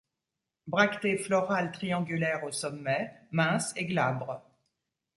Bractées florales triangulaires au sommet, minces et glabres.